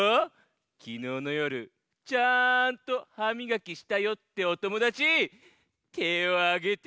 きのうのよるちゃんとはみがきしたよっておともだちてをあげて。